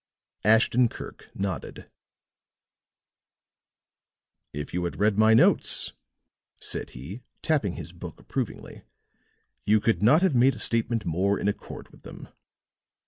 Ashton Kirk nodded. "If you had read my notes," said he, tapping his book approvingly, "you could not have made a statement more in accord with them."